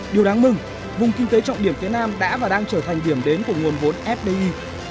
điều đáng mừng vùng kinh tế trọng điểm phía nam đã và đang trở thành điểm đến của nguồn vốn fdi